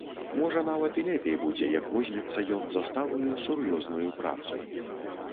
Можа, нават і лепей будзе, як возьмецца ён за сталую сур'ёзную працу.